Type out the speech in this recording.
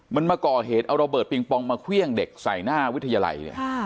มันมาก่อเหตุเอาระเบิดปิงปองมาเครื่องเด็กใส่หน้าวิทยาลัยเนี่ย